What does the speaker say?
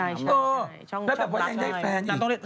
แล้วแบบว่ายังได้แฟนอีก